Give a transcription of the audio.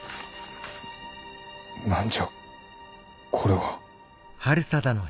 何じゃこれは。